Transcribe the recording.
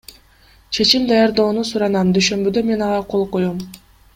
Чечим даярдоону суранам, дүйшөмбүдө мен ага кол коем.